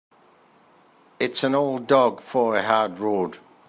It's an old dog for a hard road.